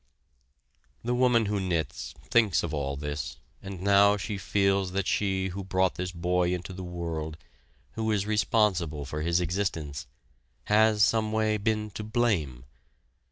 The woman who knits thinks of all this and now she feels that she who brought this boy into the world, who is responsible for his existence, has some way been to blame.